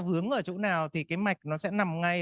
hướng ở chỗ nào thì cái mạch nó sẽ nằm ngay